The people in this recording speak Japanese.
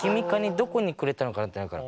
どこにくれたのかなってなるから。